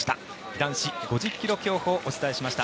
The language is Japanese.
男子５０ｋｍ競歩をお伝えしました。